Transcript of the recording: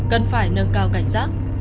cần phải nâng cao cảnh giác